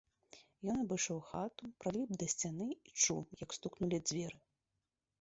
Ён абышоў хату, прыліп да сцяны і чуў, як стукнулі дзверы.